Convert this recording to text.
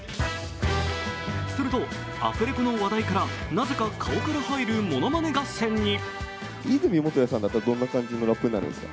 すると、アフレコの話題からなぜか顔から入るものまね合戦に。